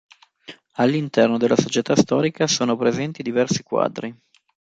All'interno della Società Storica sono presenti diversi quadri.